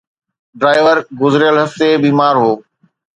Driver گذريل هفتي بيمار هو.